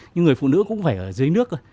nhưng người phụ nữ cũng phải ở dưới nước